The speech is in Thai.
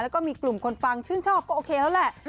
แล้วก็มีกลุ่มคนฟังชื่นชอบก็โอเคแล้วแหละ